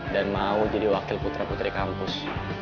dan mau jadi wakil putra putri kampus